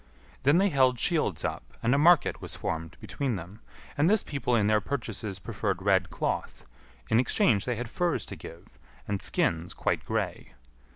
Then they held shields up, and a market was formed between them; and this people in their purchases preferred red cloth; in exchange they had furs to give, and skins quite grey.